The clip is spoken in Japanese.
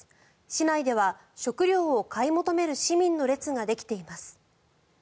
市内では食料を買い求める市民の列ができています。